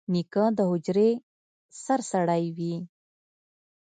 نیکه د حجرې سرسړی وي.